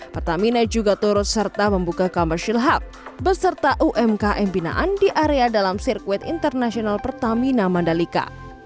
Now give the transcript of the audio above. pertamina juga turut serta membuka commercial hub beserta umkm binaan di area dalam sirkuit internasional pertamina mandalika